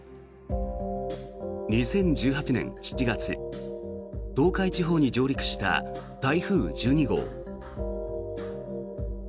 ２０１８年７月東海地方に上陸した台風１２号。